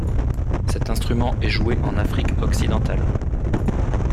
Cet instrument est joué en Afrique occidentale.